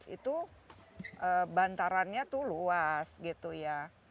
itu bantarannya itu luas gitu ya